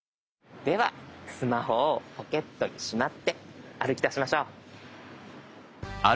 ではスマホをポケットにしまって歩きだしましょう。